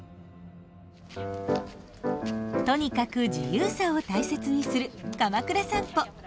とにかく自由さを大切にするかまくら散歩。